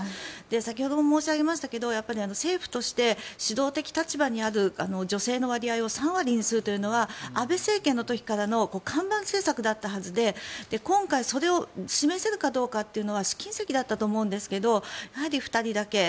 先ほども申し上げましたが政府として指導的立場にある女性の割合を３割にするというのは安倍政権の時からの看板政策だったはずで今回それを示せるかどうかというのは試金石だったと思うんですけど２人だけ。